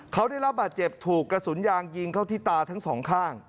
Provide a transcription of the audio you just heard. เขาได้รับบาดเจ็บถูกกระสุนยางยิงเข้าที่ตาทั้งสองข้าง